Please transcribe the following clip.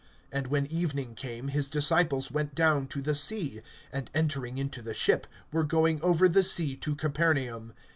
(16)And when evening came, his disciples went down to the sea, (17)and entering into the ship, were going over the sea to Capernaum.